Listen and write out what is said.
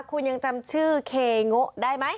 คุณยังจำชื่อเคโง่ได้ไหม